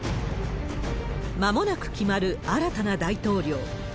まもなく決まる新たな大統領。